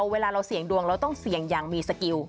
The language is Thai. เวลาเราเสี่ยงดวงเราต้องเสี่ยงอย่างมีสกิล